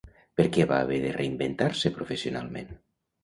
Per què va haver de reinventar-se professionalment?